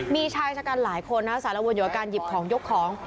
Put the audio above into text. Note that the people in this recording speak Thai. มีฉายการหลายคนเสาระวนอยู่ออกการหยิบของยกของ